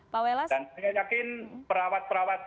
dan saya yakin perawat perawat